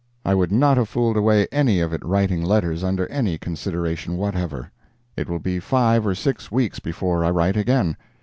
I would not have fooled away any of it writing letters under any consideration whatever. It will be five or six weeks before I write again.